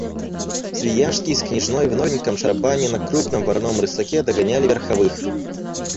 Свияжский с княжной в новеньком шарабане на крупном вороном рысаке догоняли верховых.